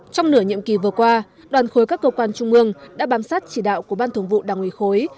trong nửa nhiệm kỳ vừa qua đoàn khối các cơ quan trung ương đã bám sát chỉ đạo của ban thường vụ đảng ủy khối